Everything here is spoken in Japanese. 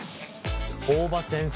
大場先生